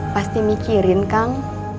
pasti mikirin kang